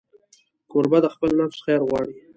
کوربه د خپل نفس خیر غواړي.